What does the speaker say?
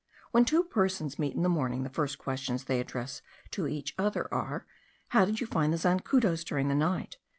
When two persons meet in the morning, the first questions they address to each other are: How did you find the zancudos during the night?